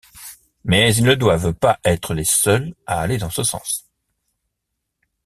Mais ils ne doivent pas être les seuls à aller dans ce sens.